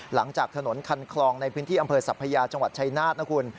หลังจากถนนคันคลองในพื้นที่อำเภอสัพยาจังหวัดชายนาฏนะคุณ